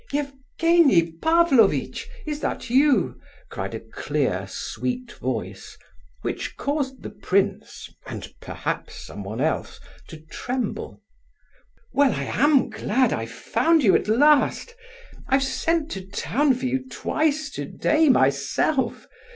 "Evgenie Pavlovitch! Is that you?" cried a clear, sweet voice, which caused the prince, and perhaps someone else, to tremble. "Well, I am glad I've found you at last! I've sent to town for you twice today myself!